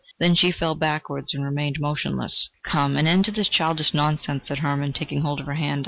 then she fell backwards and remained motionless. "Come, an end to this childish nonsense!" said Hermann, taking hold of her hand.